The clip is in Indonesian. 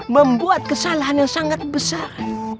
membuat kesalahan yang sangat besar